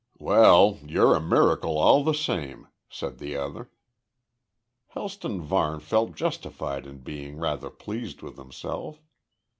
"Well, you're a miracle all the same," said the other. Helston Varne felt justified in being rather pleased with himself.